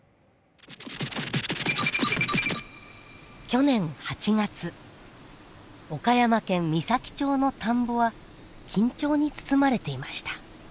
去年８月岡山県美咲町の田んぼは緊張に包まれていました。